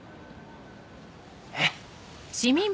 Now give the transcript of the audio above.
えっ？